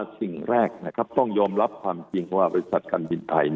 สิ่งแรกต้องยอมรับความจริงว่าบริษัทการบินไทย